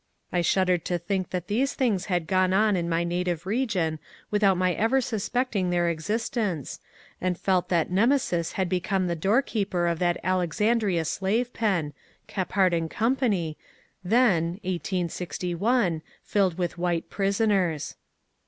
I shuddered to think that these things had gone on in my native region with out my ever suspecting their existence, and felt that Nemesis had become the doorkeeper of that Alexandria slave pen (Kep hart & Co.) then (1861) filled with white prisoners.